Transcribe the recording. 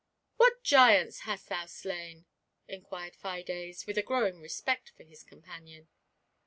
"What giants hast thou slain?" inquired Fides, with a growing respect for his companion.